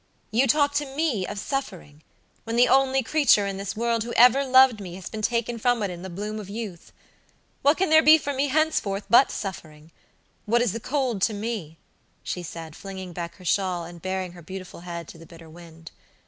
"You talk to me of suffering, when the only creature in this world who ever loved me has been taken from it in the bloom of youth. What can there be for me henceforth but suffering? What is the cold to me?" she said, flinging back her shawl and baring her beautiful head to the bitter wind.